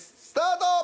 スタート！